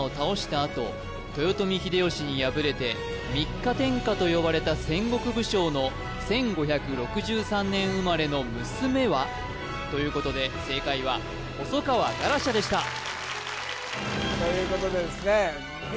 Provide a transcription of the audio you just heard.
あと豊臣秀吉に敗れて三日天下と呼ばれた戦国武将の１５６３年生まれの娘は？ということで正解は細川ガラシャでしたということでですね